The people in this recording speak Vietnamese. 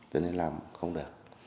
cho nên làm không được